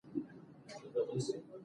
هولمز له هغه څخه د ناپلیون مجسمه وغوښته.